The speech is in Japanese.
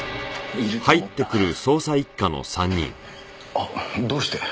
あどうして？